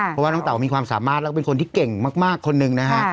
เพราะว่าน้องเต๋ามีความสามารถแล้วก็เป็นคนที่เก่งมากคนหนึ่งนะฮะ